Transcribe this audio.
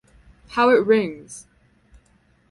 How it rings!